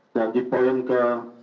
dan di poin ke